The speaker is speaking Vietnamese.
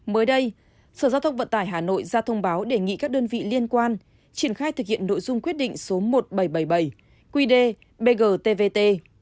mới đây sở giao thông vận tải hà nội ra thông báo đề nghị các đơn vị liên quan triển khai thực hiện nội dung quyết định số một nghìn bảy trăm bảy mươi bảy qd bg tvt